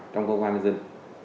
trong công an dân